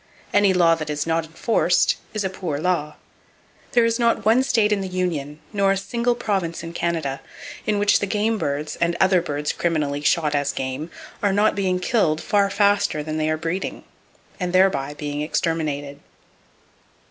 Any law that is not enforced is a poor law. There is not one state in the [Page 305] Union, nor a single province in Canada, in which the game birds, and other birds criminally shot as game, are not being killed far faster than they are breeding, and thereby being exterminated.